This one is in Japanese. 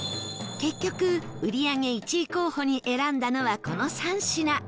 結局売り上げ１位候補に選んだのはこの３品